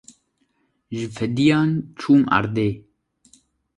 Ji fêdiyan çûm erdê.